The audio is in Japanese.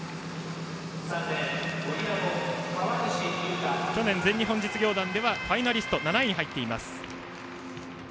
川西裕太は去年全日本実業団でファイナリスト７位に入っています。